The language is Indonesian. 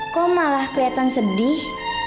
kok malah kelihatan sedih